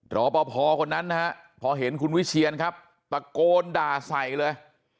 รอปภคนนั้นนะฮะพอเห็นคุณวิเชียนครับตะโกนด่าใส่เลย